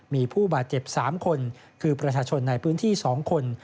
มีผู้บาดเจ็บ๓คนคือประชาชนในพื้นที่๒คน